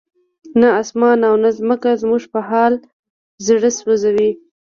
نه اسمان او نه ځمکه زموږ په حال زړه سوځوي.